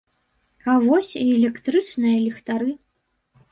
А вось і электрычныя ліхтары.